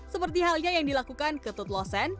seperti halnya yang dilakukan ketut losen